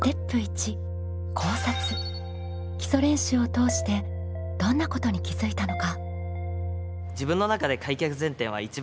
基礎練習を通してどんなことに気づいたのか？